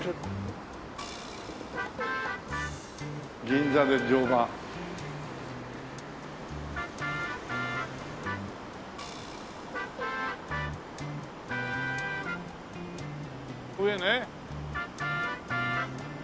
「銀座ｄｅ乗馬」上ね。